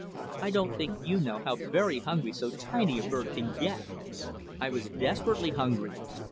I don't think you know how very hungry so tiny a bird can get. I was desperately hungry.